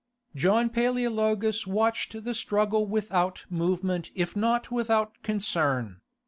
John Paleologus watched the struggle without movement if not without concern.